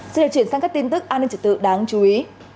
xin được chuyển sang các tin tức an ninh trật tự đáng chú ý